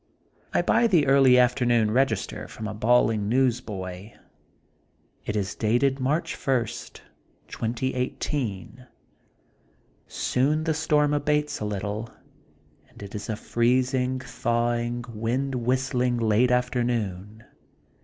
I buy the early afternoon Reg ister from a bawling newsboy. It is dated March first, 2018. Soon the storm abates a little, but it is a freezing, thawing, wind whistling, late afternoon.